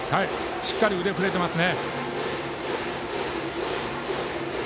しっかり腕振れてますね。